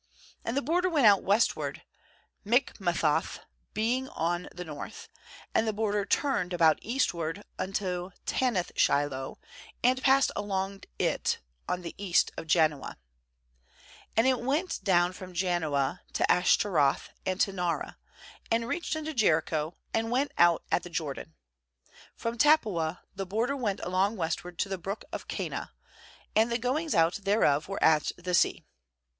6And the border went out west ward, Michmethath being on the north; and the border turned about eastward unto Taanath shiloh, and passed along it on the east of Janoah. 7And it went down from Janoah to Ataroth, and to Naarah, and reached unto Jericho, and went out at the Jordan. 8From Tappuah the border went along westward to the brook of Kanah; and the goings out thereof were at the sea.